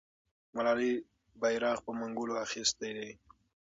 ملالۍ بیرغ په منګولو اخیستی دی.